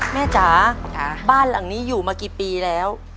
จ๋าบ้านหลังนี้อยู่มากี่ปีแล้ว